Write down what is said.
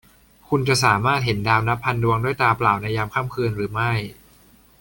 คุณจะสามารถเห็นดาวนับพันดวงด้วยตาเปล่าในยามค่ำคืนหรือไม่ ?